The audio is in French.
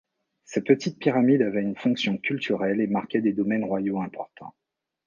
Ces petites pyramides avaient une fonction cultuelle et marquaient des domaines royaux importants.